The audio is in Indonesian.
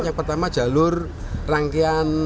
yang pertama jalur rangkaian